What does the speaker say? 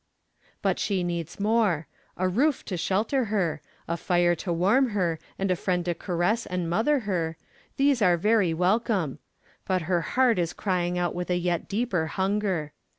But she needs more! A roof to shelter her, a fire to warm her and a friend to caress and mother her these are very welcome; but her heart is crying out with a yet deeper hunger.